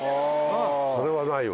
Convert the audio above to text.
それはないわ。